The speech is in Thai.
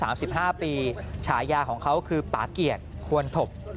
มีอายุ๓๕ปีฉายาของเขาคือปาเกียรติควรถบ